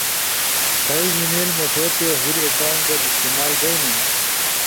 تھئی ای میل مݜو تے ہور اکاونٹ در استعمال بینو